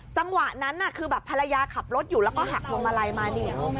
จังหวะนั้นคือแบบภรรยาขับรถอยู่แล้วก็หักพวงมาลัยมาเนี่ย